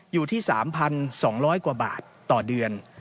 อยู่ที่๓๒๐๐กว่าบาทต่อเดือน